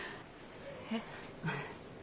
えっ。